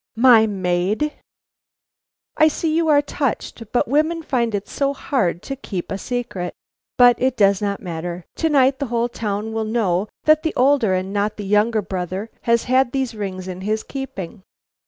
My maid! "I see you are touched; but women find it so hard to keep a secret. But it does not matter. To night the whole town will know that the older and not the younger brother has had these rings in his keeping."